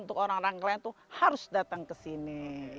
untuk orang orang klien itu harus datang ke sini